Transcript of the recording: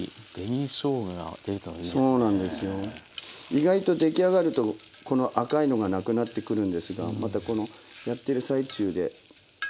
意外と出来上がるとこの赤いのがなくなってくるんですがまたこのやってる最中で。